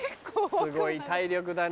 すごい体力だね